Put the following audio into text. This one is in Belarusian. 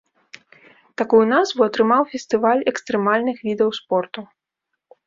Такую назву атрымаў фестываль экстрэмальных відаў спорту.